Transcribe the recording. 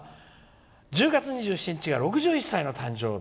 「１０月２７日が６１歳の誕生日。